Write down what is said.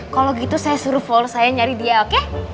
kalau gitu saya suruh follow saya nyari dia oke